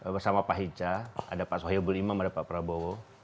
bersama pak hicca ada pak soehyo bulimam ada pak prabowo